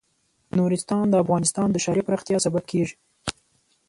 نورستان د افغانستان د ښاري پراختیا سبب کېږي.